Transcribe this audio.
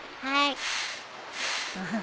はい。